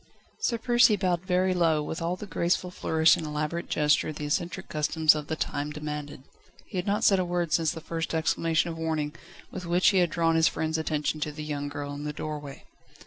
Sir Percy bowed very low, with all the graceful flourish and elaborate gesture the eccentric customs of the time demanded. He had not said a word, since the first exclamation of warning, with which he had drawn his friend's attention to the young girl in the doorway.